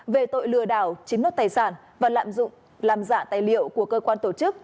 về tội lừa đảo chiếm nốt tài sản và lạm dụng làm giả tài liệu của cơ quan tổ chức